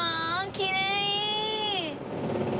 きれい！